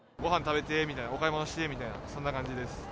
ごはん食べてみたいな、お買い物してみたいな、そんな感じです。